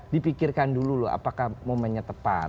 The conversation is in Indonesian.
dipikirkan dulu loh apakah momennya tepat